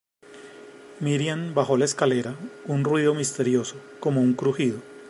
Mirian bajo la escalera, un ruido misterioso, como un crujido